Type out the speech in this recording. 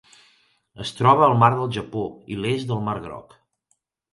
Es troba al Mar del Japó i l'est del Mar Groc.